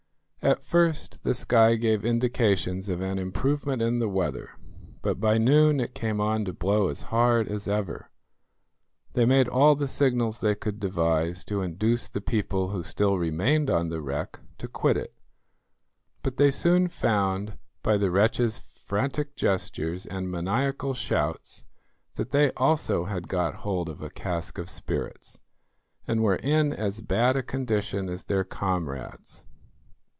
At first the sky gave indications of an improvement in the weather, but by noon it came on to blow as hard as ever. They made all the signals they could devise to induce the people who still remained on the wreck to quit it, but they soon found by the wretches' frantic gestures and maniacal shouts that they also had got hold of a cask of spirits, and were in as bad a condition as their comrades.